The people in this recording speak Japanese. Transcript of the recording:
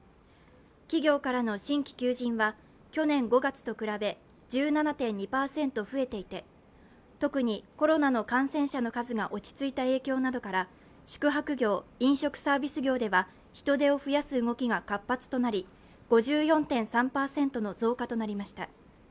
企業からの新規求人は去年５月と比べ、１７．０％増えていて、特にコロナの感染者の数が落ち着いた影響などから宿泊業、飲食サービス業では人手を増やす動きが活発となり、５４．３％の増加となりました。